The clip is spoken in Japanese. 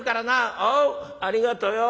「おうありがとよ。